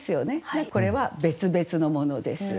だからこれは別々のものです。